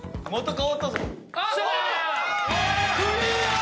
クリア！